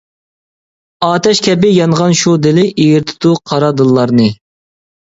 ئاتەش كەبى يانغان شۇ دىلى، ئېرىتىدۇ قارا دىللارنى.